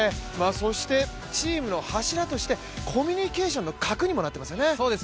チームの柱としてコミュニケーションの核にもなってますよね。